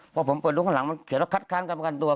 พอผมเปิดลูกข้างหลังมันเขียนแล้วคัดค้านการประกันตัว